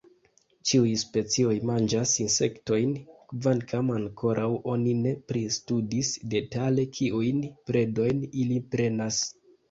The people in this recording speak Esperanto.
Ĉiuj specioj manĝas insektojn, kvankam ankoraŭ oni ne pristudis detale kiujn predojn ili prenas.